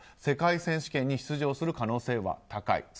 世界選手権に出場する可能性は高い。